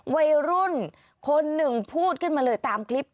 วัยรุ่นคนหนึ่งพูดขึ้นมาเลยตามคลิป